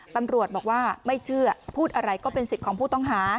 ตำรวจบอกว่าไม่เชื่อพูดอะไรก็เป็นสิทธิ์ของผู้ต้องหา